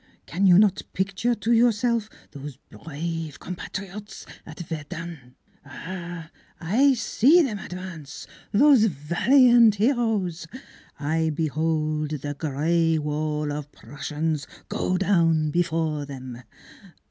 " Can you not picture to yourself those brave compatriots at Verdun? Ha ! I see them advance those valiant heroes ! I behold the gray wall of Prussians go down be fore them!